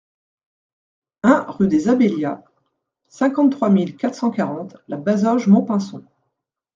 un rue des Abélias, cinquante-trois mille quatre cent quarante La Bazoge-Montpinçon